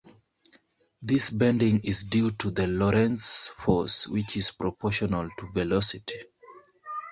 This bending is due to the Lorentz force, which is proportional to velocity.